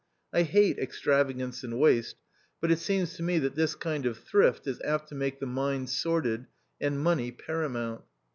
I hate extravagance and waste ; but it seems to me that this kind of thrift is apt to make the mind sordid, and money paramount.